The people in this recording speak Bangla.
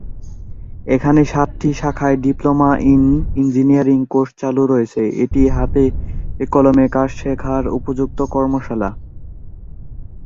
এখানে সাতটি শাখায় ডিপ্লোমা ইন ইঞ্জিনিয়ারিং কোর্স চালু রয়েছে এটি হাতে-কলমে কাজ শেখার উপযুক্ত কর্মশালা।